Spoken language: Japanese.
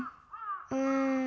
うん。